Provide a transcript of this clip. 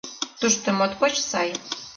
Тушто моткоч сай.